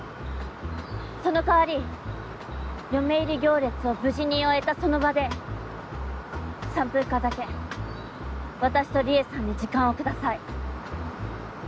その代わり嫁入り行列を無事に終えたその場で３分間だけ私と里恵さんに時間を下さい。